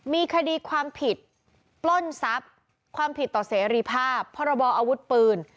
มีคดีความผิดปล้นทรัพย์ความผิดต่อเสรีภาพพรบออาวุธปืน